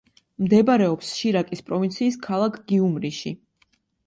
მდებარეობს შირაკის პროვინციის ქალაქ გიუმრიში.